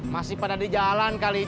masih pada di jalan kali